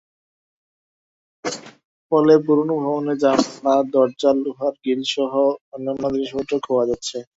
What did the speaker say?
ফলে পুরোনো ভবনের জানালা, দরজা, লোহার গ্রিলসহ অন্যান্য জিনিসপত্র খোয়া যাচ্ছে।